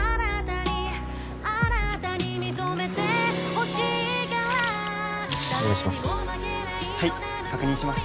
お願いします